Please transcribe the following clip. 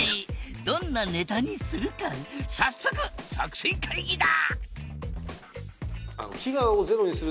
どんなネタにするか早速作戦会議だ！